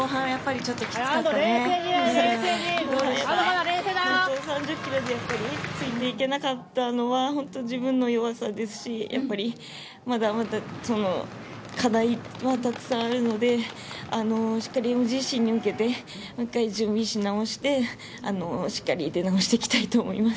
ちょっと３０キロでやっぱりついていけなかったのは本当自分の弱さですしやっぱりまだまだ課題はたくさんあるのでしっかりＭＧＣに向けてもう１回準備しなおしてしっかり出直してきたいと思います。